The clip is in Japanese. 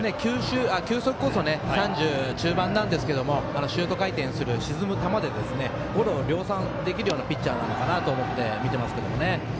球速こそ３０中盤なんですけどシュート回転する沈む球でゴロを量産することのできるピッチャーなのかなと思って見ています。